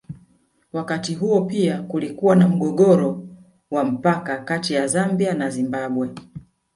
Wakati huo pia kulikuwa na mgogoro wa mpaka kati ya Zambia na Zimbabwe